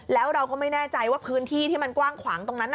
แล้วเราก็ไม่แน่ใจว่าพื้นที่ที่มันกว้างขวางตรงนั้น